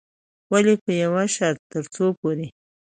ولې په يوه شرط، ترڅو پورې